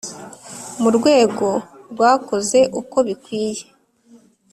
Mu rwego bwakoze uko bikwiye